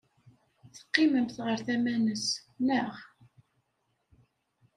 Teqqimemt ɣer tama-nnes, naɣ?